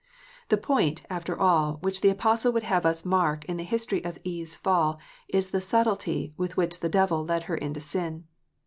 The point, after all, which the Apostle would have us mark in the history of Eve s fall, is the " subtilty " with which the devil led her into sin.